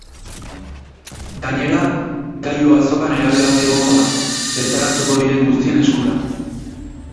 Gainera, gailua azokan erabilgarri egongo da, bertaratuko diren guztien eskura.